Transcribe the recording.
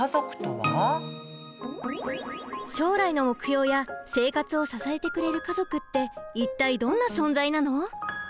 将来の目標や生活を支えてくれる「家族」って一体どんな存在なの？